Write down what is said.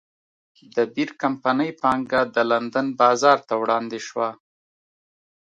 د بیر کمپنۍ پانګه د لندن بازار ته وړاندې شوه.